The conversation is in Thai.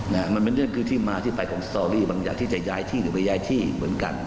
มันเป็นเรื่องคือที่มาที่ไปของสตอรี่บางอย่างที่จะย้ายที่หรือไม่ย้ายที่เหมือนกัน